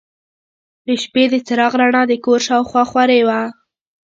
د شپې د څراغ رڼا د کور شاوخوا خورې وه.